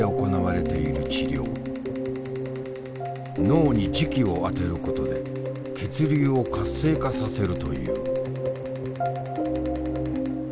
脳に磁気を当てることで血流を活性化させるという。